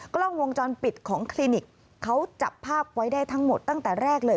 กล้องวงจรปิดของคลินิกเขาจับภาพไว้ได้ทั้งหมดตั้งแต่แรกเลย